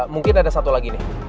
mungkin ada satu lagi nih